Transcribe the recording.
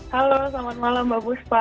halo selamat malam mbak puspa